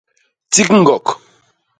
Tik ñgok.